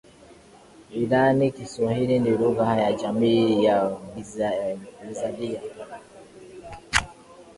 irani Kiswahili ni Lugha ya Jamii ya Vizalia